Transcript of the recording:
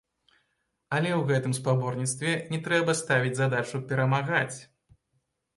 Але ў гэтым спаборніцтве не трэба ставіць задачу перамагаць.